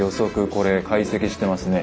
これ解析してますね。